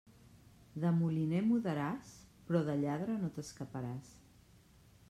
De moliner mudaràs, però de lladre no t'escaparàs.